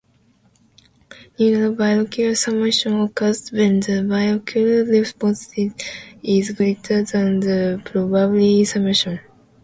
Neural binocular summation occurs when the binocular response is greater than the probability summation.